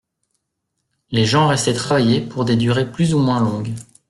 Les gens restaient travailler pour des durées plus ou moins longues.